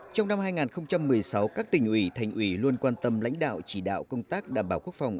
trong năm hai nghìn một mươi sáu các tỉnh ủy thành ủy luôn quan tâm lãnh đạo chỉ đạo công tác đảm bảo quốc phòng